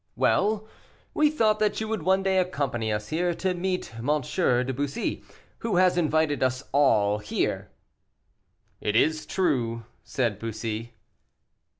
"Well! we thought that you would one day accompany us here to meet M. de Bussy, who has invited us all here." "It is true," said Bussy.